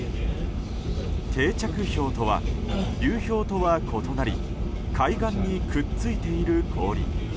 定着氷とは、流氷とは異なり海岸にくっついている氷。